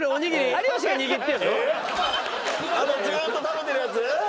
あのずーっと食べてるやつ？